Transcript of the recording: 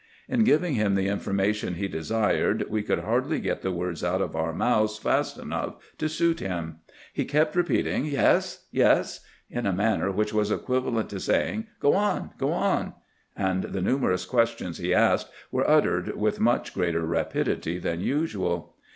In giving him the information he desired, we could hardly get the words out of our mouths fast enough to suit him. He kept repeating, "Yes, yes," in a manner which was equivalent to saying, " Go on, go on "; and the numer ous questions he asked were uttered with much greater rapidity than usual.